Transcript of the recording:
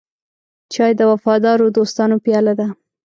چای د وفادارو دوستانو پیاله ده.